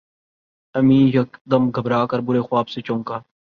امیں یکدم گھبرا کر برے خواب سے چونکا